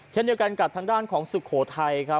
เช่นเดียวกันกับทางด้านของสุโขทัยครับ